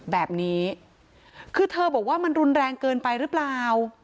แบบนี้คือเธอบอกว่ามันรุนแรงเกินไปหรือเปล่า